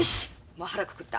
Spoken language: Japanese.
もう腹くくった。